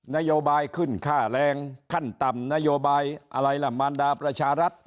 นโยบายขึ้นค่าแรงขั้นต่ำนโยบายอะไรล่ะมารดาประชารัฐ